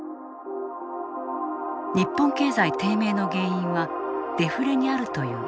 日本経済低迷の原因はデフレにあると言う岩田。